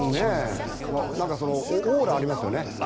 オーラがありますよね。